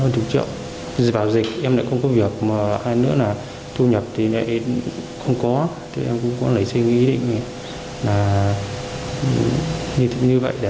để em lừa người khác